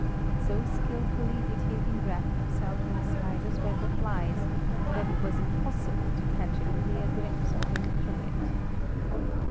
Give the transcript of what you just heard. So skilfully did he enwrap himself in a spider's web of lies that it was impossible to catch a clear glimpse of him through it.